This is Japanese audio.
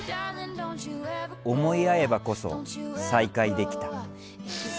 思い合えばこそ再会できた。